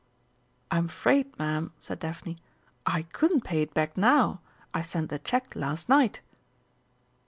"I'm afraid, Ma'am," said Daphne, "I couldn't pay it back now; I sent the cheque last night."